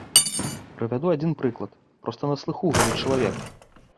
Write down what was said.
Прывяду адзін прыклад, проста на слыху гэты чалавек.